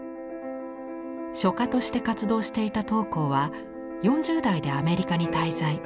書家として活動していた桃紅は４０代でアメリカに滞在。